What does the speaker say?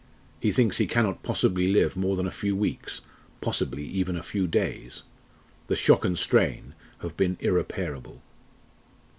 He thinks he cannot possibly live more than a few weeks possibly even a few days. The shock and strain have been irreparable."